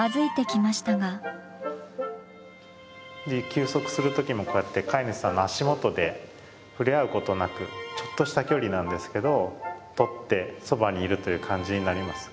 休息する時もこうやって飼い主さんの足元で触れ合うことなくちょっとした距離なんですけどとってそばにいるという感じになります。